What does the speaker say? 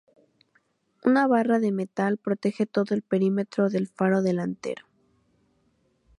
Una barra de metal protege todo el perímetro del faro delantero.